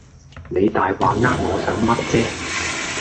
你大話呃我想乜啫